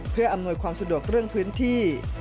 เพื่ออำนวยความสะดวกเรื่องพื้นที่